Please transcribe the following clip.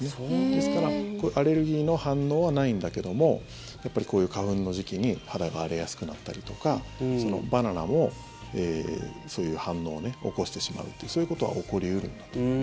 ですから、アレルギーの反応はないんだけどもこういう花粉の時期に肌が荒れやすくなったりとかバナナもそういう反応を起こしてしまうというそういうことは起こり得るんだと思います。